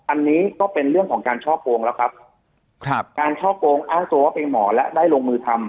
อันนี้ก็เป็นเรื่องของการช่อโกงแล้วครับครับการช่อโกงอ้างตัวว่าเป็นหมอและได้ลงมือทำ